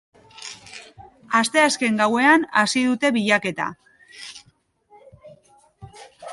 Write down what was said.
Asteazken gauean hasi dute bilaketa.